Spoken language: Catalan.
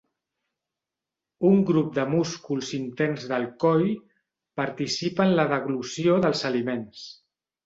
Un grup de músculs interns del coll participa en la deglució dels aliments.